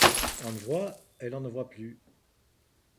On voit, et l’on ne voit plus.